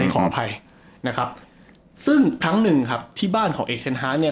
ขออภัยนะครับซึ่งครั้งหนึ่งครับที่บ้านของเอกเทนฮาร์ดเนี่ย